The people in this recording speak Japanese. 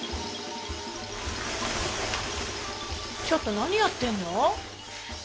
ちょっと何やってんの！